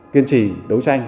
kiên trì đấu tranh